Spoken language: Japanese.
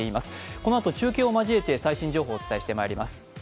このあと中継を交えて最新情報をお伝えしてまいります。